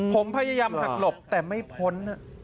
ผมพยายามหักหลบแต่ไม่พ้น